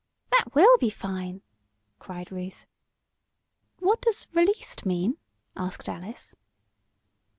"That will be fine!" cried Ruth. "What does 'released' mean?" asked Alice.